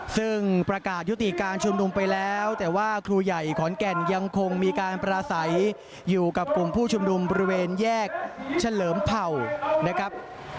ซึ่งประกาศยุติการชุมนุมไปแล้วแต่ว่าครูใหญ่ขอนแก่นยังคงมีการปราศัยอยู่กับกลุ่มผู้ชุมนุมบริเวณแยกเฉลิมเผ่านะครับ